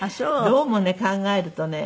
どうもね考えるとね